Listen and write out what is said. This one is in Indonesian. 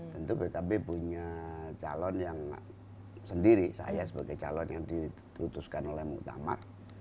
tentu pkb punya calon yang sendiri saya sebagai calon yang ditutupkan oleh mung tamar